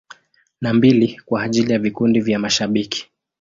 Na mbili kwa ajili ya vikundi vya mashabiki.